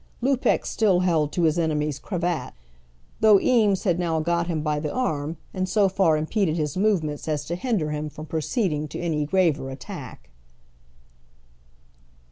Lupex still held to his enemy's cravat, though Eames had now got him by the arm, and so far impeded his movements as to hinder him from proceeding to any graver attack.